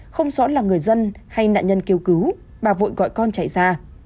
không rõ là người dân hay nạn nhân kêu cứu bà vội gọi con chạy ra